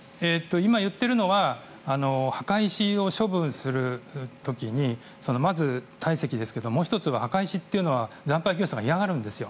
今、言っているのは墓石を処分する時にまず、体積ですけどもう１つ、墓石というのは産廃業者が嫌がるんです。